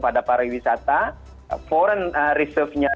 pada para wisata foreign reserve nya